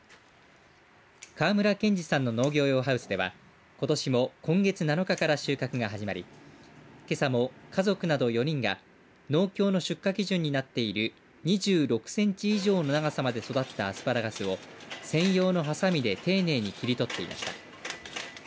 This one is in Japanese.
川村賢治さんの農業用ハウスではことしも今月７日から収穫が始まりけさも家族など４人が農協の出荷基準になっている２６センチ以上の長さまで育ったアスパラガスを専用のハサミで丁寧に切り取っていました。